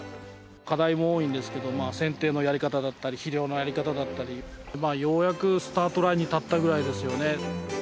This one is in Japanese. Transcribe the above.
課題も多いんですけど剪定のやり方だったり肥料のやり方だったりようやくスタートラインに立ったぐらいですよね。